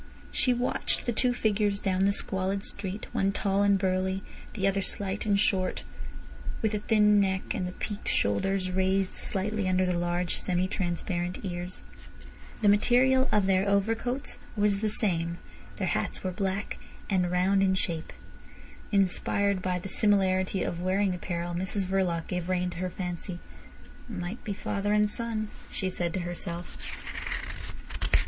She watched the two figures down the squalid street, one tall and burly, the other slight and short, with a thin neck, and the peaked shoulders raised slightly under the large semi transparent ears. The material of their overcoats was the same, their hats were black and round in shape. Inspired by the similarity of wearing apparel, Mrs Verloc gave rein to her fancy. "Might be father and son," she said to herself.